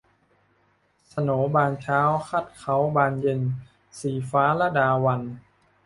โสนบานเช้าคัดเค้าบานเย็น - ศรีฟ้า ลดาวัลย์